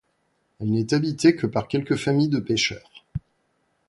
Elle n'est habitée que par quelques familles de pêcheurs.